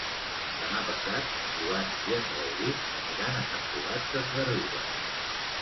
Demà passat en Joan i en Rauric aniran a Sant Cugat Sesgarrigues.